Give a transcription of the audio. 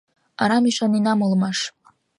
Арам ӱшаненам улмаш.